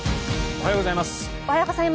おはようございます。